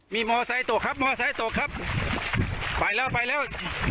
มีมอไซคตกครับมอไซคตกครับไปแล้วไปแล้ว